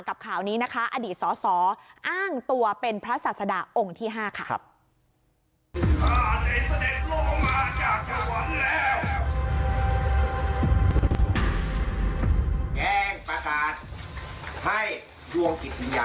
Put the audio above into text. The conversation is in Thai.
ข่าวนี้นะคะอดีตสอสออ้างตัวเป็นพระศาสดาองค์ที่๕ค่ะ